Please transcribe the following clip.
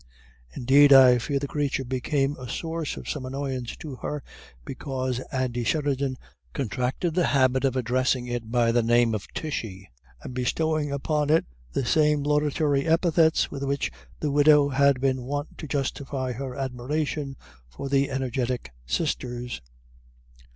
Indeed, I fear the creature became a source of some annoyance to her, because Andy Sheridan contracted a habit of addressing it by the name of Tishy, and bestowing upon it the same laudatory epithets with which the widow had been wont to justify her admiration for the energetic sisters.